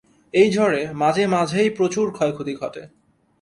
এই ঝড়ে মাঝে মাঝেই প্রচুর ক্ষয়ক্ষতি ঘটে।